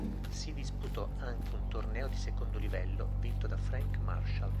Si disputò anche un torneo di secondo livello, vinto da Frank Marshall.